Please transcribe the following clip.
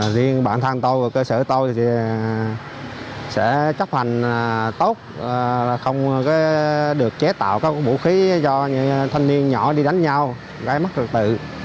riêng bản thân tôi và cơ sở tôi thì sẽ chấp hành tốt là không được chế tạo các vũ khí do thanh niên nhỏ đi đánh nhau gây mất trật tự